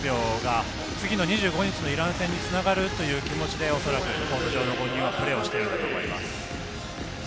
残り２分２０秒が次の２５日のイラン戦に繋がるという気持ちでおそらくコート上の５人はプレーしていると思います。